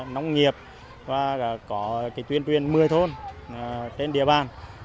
nóng nghiệp và có tuyên truyền mưa thôn trên địa bàn